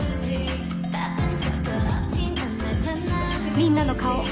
みんなの顔